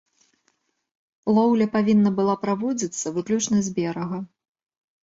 Лоўля павінна была праводзіцца выключна з берага.